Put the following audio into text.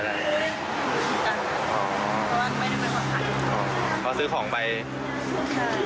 เพราะว่าเรื่องของไม่ได้ไปค่ะเธอซื้อของไปเจอเกรง